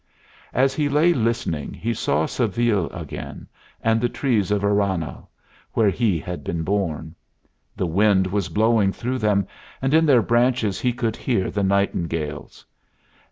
As he lay listening he saw Seville again, and the trees of Aranhal, where he had been born. The wind was blowing through them, and in their branches he could hear the nightingales.